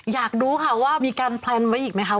อยากดูฯว่ามีการแพลนไว้อีกไหมครับ